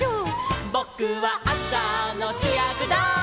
「ぼくはあさのしゅやくだい」